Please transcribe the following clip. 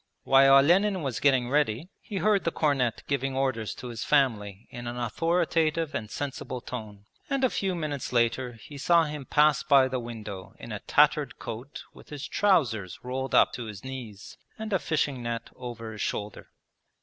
While Olenin was getting ready, he heard the cornet giving orders to his family in an authoritative and sensible tone, and a few minutes later he saw him pass by the window in a tattered coat with his trousers rolled up to his knees and a fishing net over his shoulder.